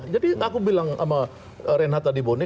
jadi aku bilang sama renata dibone